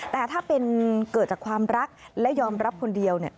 แต่ถ้าเป็นเกิดจากความรักและยอมรับคนเดียว